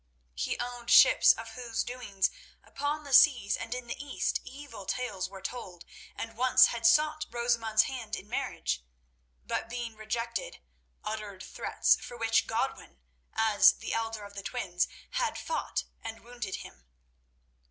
He owned ships of whose doings upon the seas and in the East evil tales were told, and once had sought Rosamund's hand in marriage, but being rejected, uttered threats for which Godwin, as the elder of the twins, had fought and wounded him.